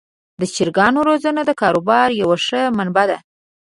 د چرګانو روزنه د کاروبار یوه ښه منبع ده.